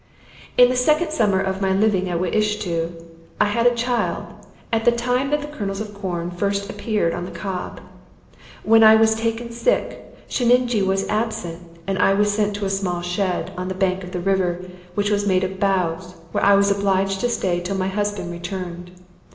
In the second summer of my living at Wiishto, I had a child at the time that the kernels of corn first appeared on the cob. When I was taken sick, Sheninjee was absent, and I was sent to a small shed, on the bank of the river, which was made of boughs, where I was obliged to stay till my husband returned.